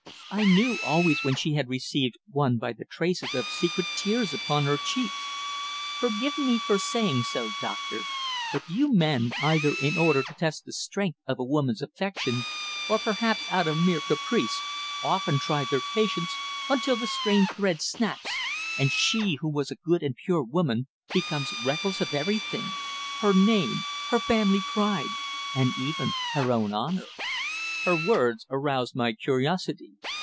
I knew always when she had received one by the traces of secret tears upon her cheeks. Forgive me for saying so, Doctor, but you men, either in order to test the strength of a woman's affection, or perhaps out of mere caprice, often try her patience until the strained thread snaps, and she who was a good and pure woman becomes reckless of everything her name, her family pride, and even her own honour." Her words aroused my curiosity.